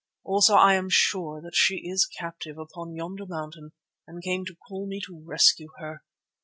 Also I am sure that she is captive upon yonder mountain and came to call me to rescue her.